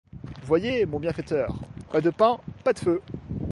Voyez, mon bienfaiteur, pas de pain, pas de feu.